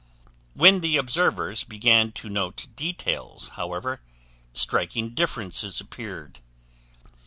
When the observers began to note details, however, striking differences appeared.